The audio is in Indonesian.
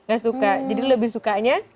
gak suka jadi lebih sukanya